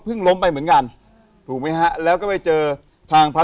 ล้มไปเหมือนกันถูกไหมฮะแล้วก็ไปเจอทางพระ